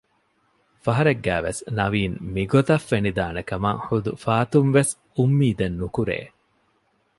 ފަހަރެއްގައިވެސް ނަވީން މިގޮތަށް ފެނިދާނެކަމަށް ޙުދު ފާތުންވެސް އުއްމީދެއް ނުކުރޭ